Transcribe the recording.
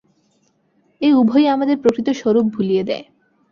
এ উভয়ই আমাদের প্রকৃত স্বরূপ ভুলিয়ে দেয়।